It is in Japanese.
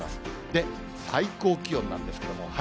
で、最高気温なんですけれども。